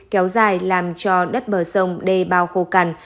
kéo dài làm cho đất bờ sông đê bao khô cằn